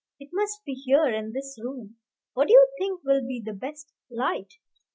It must be here in this room. What do you think will be the best light?"